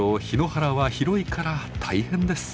檜原は広いから大変です。